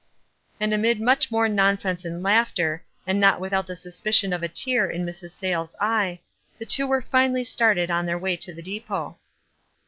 And amid much more nonsense and laughter, and not without the suspicion of a tear in Mrs. Sayles' eye, the two were finally started on their way to the depot.